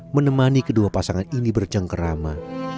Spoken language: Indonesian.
menemani kedua pasangan ini bercengkerama